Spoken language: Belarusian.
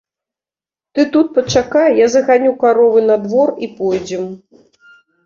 Ты тут пачакай, я заганю каровы на двор, і пойдзем.